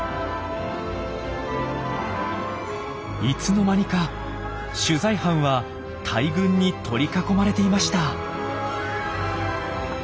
いつの間にか取材班は大群に取り囲まれていました。